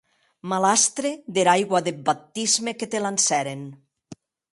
Malastre dera aigua deth baptisme que te lancèren!